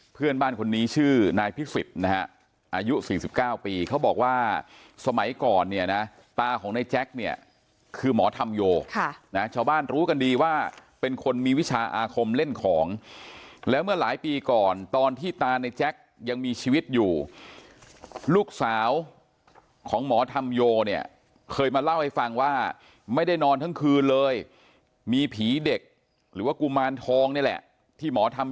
เพื่อนบ้านคนนี้ชื่อนายพิสิทธิ์นะฮะอายุ๔๙ปีเขาบอกว่าสมัยก่อนเนี่ยนะตาของนายแจ็คเนี่ยคือหมอธรรมโยนะชาวบ้านรู้กันดีว่าเป็นคนมีวิชาอาคมเล่นของแล้วเมื่อหลายปีก่อนตอนที่ตาในแจ๊คยังมีชีวิตอยู่ลูกสาวของหมอธรรมโยเนี่ยเคยมาเล่าให้ฟังว่าไม่ได้นอนทั้งคืนเลยมีผีเด็กหรือว่ากุมารทองนี่แหละที่หมอทำ